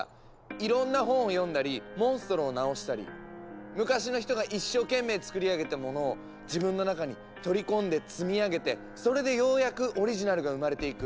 いろんな本を読んだりモンストロを治したり昔の人が一生懸命つくりあげたものを自分の中に取り込んで積み上げてそれでようやくオリジナルが生まれていく。